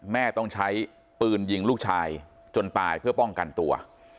แม่ต้องใช้ปืนยิงลูกชายจนตายเพื่อป้องกันตัว